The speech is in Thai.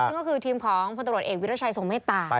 ซึ่งก็คือทีมของพลตรวจเอกวิรัชัยทรงเมตตา